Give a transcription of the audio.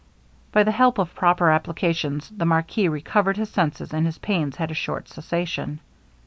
By the help of proper applications the marquis recovered his senses and his pains had a short cessation.